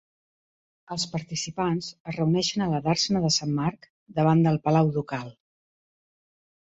Els participants es reuneixen a la dàrsena de Sant Marc davant del palau ducal.